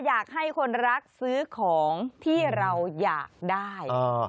อยากให้คนรักซื้อของที่เราอยากได้